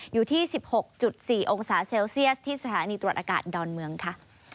อยู่ที่๑๖๔องศาเซลเซียสที่สถานีตรวจอากาศดอนเมืองค่ะ